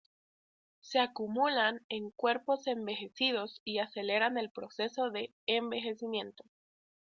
Se acumulan en cuerpos envejecidos y aceleran el proceso de envejecimiento.